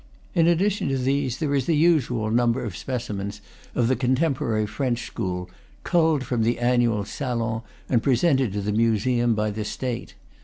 In addition to these there is the usual number of specimens of the contemporary French school, culled from the annual Salons and presented to the museum by the State.